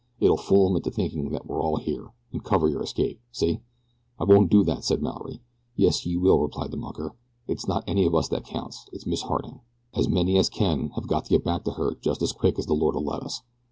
It'll fool 'em into thinking that we're all here, and cover your escape. See?" "I won't do it," said Mallory. "Yes you will," replied the mucker. "It's not any of us that counts it's Miss Harding. As many as can have got to get back to her just as quick as the Lord'll let us.